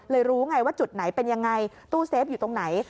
รู้ไงว่าจุดไหนเป็นยังไงตู้เซฟอยู่ตรงไหน